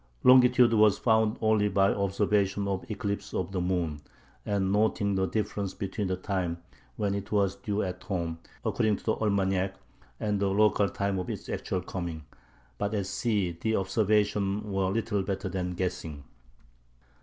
Longitude was found only by observations of eclipses of the moon, and noting the difference between the time when it was due at home, according to the almanac, and the local time of its actual coming; but at sea the "observations" were little better than guessing.